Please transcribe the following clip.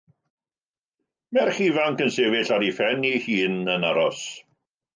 Merch ifanc yn sefyll ar ei phen ei hun yn aros.